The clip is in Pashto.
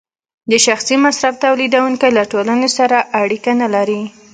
د شخصي مصرف تولیدونکی له ټولنې سره اړیکه نلري